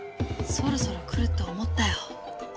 そろそろ来ると思ったよ。